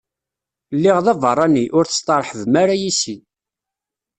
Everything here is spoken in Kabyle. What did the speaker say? Lliɣ d abeṛṛani, ur testeṛḥbem ara yes-i.